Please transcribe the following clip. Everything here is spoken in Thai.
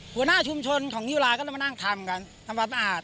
หัวหน้าชุมชนของนิ้วรายก็ต้องมานั่งทำกันทำมาต้นอาจ